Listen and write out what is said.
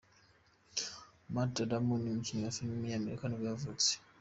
Matt Damon, umukinnyi wa film w’umunyamerika nibwo yavutse.